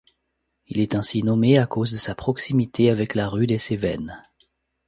Il est ainsi nommé à cause de sa proximité avec la rue des Cévennes.